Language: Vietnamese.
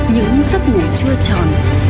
những giấc ngủ chưa tròn